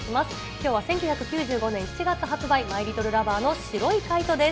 きょうは１９９５年７月発売、マイリトルラバーの白いカイトです。